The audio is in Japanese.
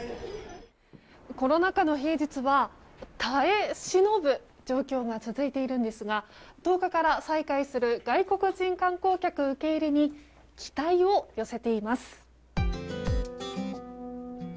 コロナ禍の平日は耐え忍ぶ状況が続いているんですが１０日から再開する外国人観光客受け入れに期待を寄せています。